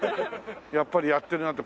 やっぱりやってるなって。